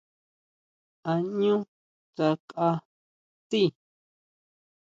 A ʼñú tsakʼa tsjí?